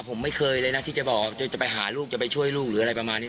ผมไม่เคยเลยนะที่จะบอกว่าจะไปหาลูกจะไปช่วยลูกหรืออะไรประมาณนี้